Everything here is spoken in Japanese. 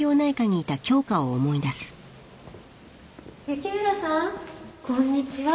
雪村さんこんにちは